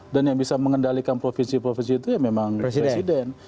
dan yang bisa mengendalikan provinsi provinsi itu ya memang presiden